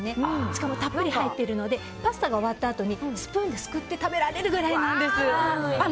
しかもたっぷり入っているのでパスタが終わったあとにスプーンですくって食べられるぐらいなんです。